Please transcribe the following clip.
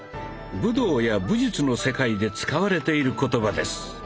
武道や武術の世界で使われている言葉です。